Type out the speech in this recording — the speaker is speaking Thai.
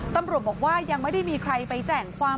ตำรวจบอกว่ายังไม่ได้มีใครไปแจ้งความ